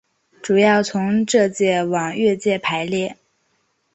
主要从浙界往粤界排列。